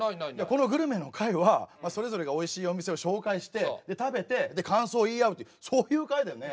このグルメの会はそれぞれがおいしいお店を紹介して食べて感想を言い合うってそういう会だよね？